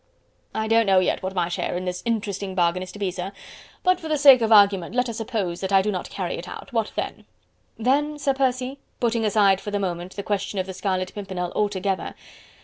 "I don't yet know what my share in this interesting bargain is to be, sir... but for the sake of argument let us suppose that I do not carry it out.... What then?..." "Then, Sir Percy... putting aside for the moment the question of the Scarlet Pimpernel altogether...